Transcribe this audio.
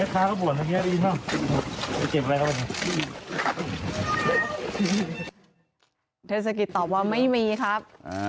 เทศกิจตอบว่าไม่มีครับ